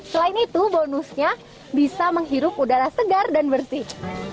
selain itu bonusnya bisa menghirup udara segar dan bersih